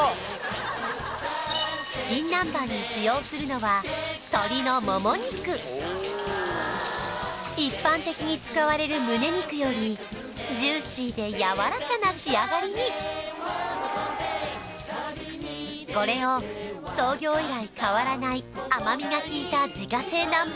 チキン南蛮に使用するのは一般的に使われる胸肉よりジューシーでやわらかな仕上がりにこれを創業以来変わらない甘みがきいた自家製南蛮